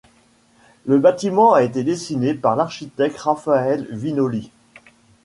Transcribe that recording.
Le bâtiment a été dessiné par l'architecte Rafael Viñoly.